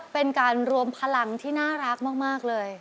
เป็นการรวมพลังที่น่ารักมากเลย